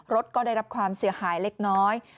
รถก็ได้รับความเสียหายเล็กน้อย